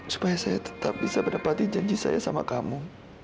supaya saya tetap bisa menepati janji saya sama kamu